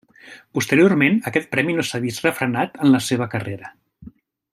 Posteriorment aquest premi no s'ha vist refrenat en la seva carrera.